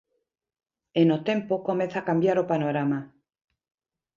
E no tempo, comeza a cambiar o panorama.